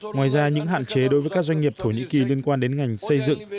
ngoài ra những hạn chế đối với các doanh nghiệp thổ nhĩ kỳ liên quan đến ngành xây dựng